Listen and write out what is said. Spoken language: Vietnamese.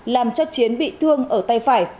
làm cho chiến bị thương ở tay phải